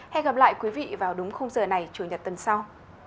hẹn gặp lại quý vị vào đúng khung giờ này chủ nhật tuần sau